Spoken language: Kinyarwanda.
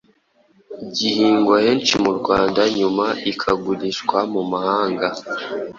gihingwa henshi mu Rwanda nyuma ikagurishwa mu mahanga,